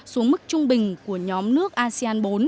xuống mức trung bình của nhóm nước asean bốn